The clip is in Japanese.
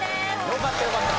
よかったよかった。